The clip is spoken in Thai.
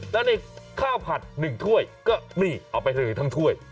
แล้วในข้าวผัด๑ถ้วยก็นี่เอาไปซื้อทั้งถ้วย